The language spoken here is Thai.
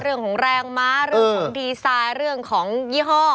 เรื่องของแรงม้าเรื่องของดีไซน์เรื่องของยี่ห้อ